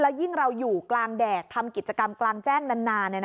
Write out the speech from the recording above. ยิ่งเราอยู่กลางแดดทำกิจกรรมกลางแจ้งนาน